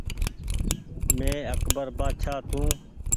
مينٚ اڪبر بآڇآ تونٚ